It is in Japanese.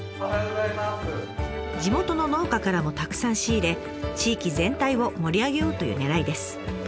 地元の農家からもたくさん仕入れ地域全体を盛り上げようというねらいです。